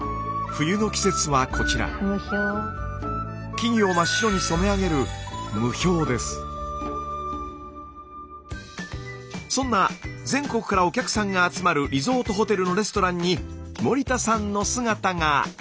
木々を真っ白に染め上げるそんな全国からお客さんが集まるリゾートホテルのレストランに森田さんの姿が。